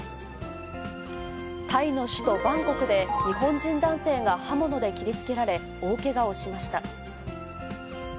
タイの首都バンコクで、日本人男性が刃物で切りつけられ、大けがをしました。